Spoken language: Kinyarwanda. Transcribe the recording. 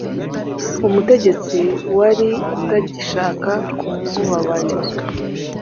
umutegetsi wari utagishaka kumubabarira